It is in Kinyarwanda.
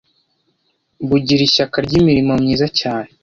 bugira ishyaka ry’imirimo myiza cyane